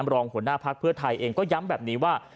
รองหัวหน้าพักเพื่อไทยเองก็ย้ำแบบนี้ว่า